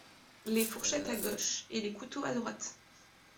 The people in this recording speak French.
Les fourchettes à gauche, et les couteaux à droite.